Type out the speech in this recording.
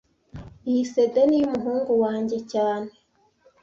Iyi CD ni iyumuhungu wanjye cyane